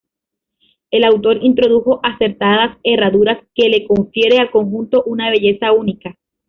El autor introdujo acertadas herraduras que le confieren al conjunto una belleza única.